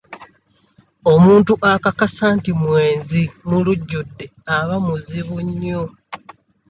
Omuntu akakasa nti mwenzi mu lujjudde aba muzibu nnyo.